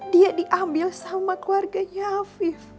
dia diambil sama keluarganya afif